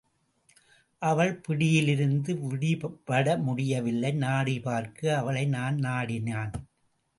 அவள் பிடியிலிருந்து விடுபட முடியவில்லை நாடி பார்க்க அவளை அவன் நாடினான்.